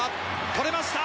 「取れました。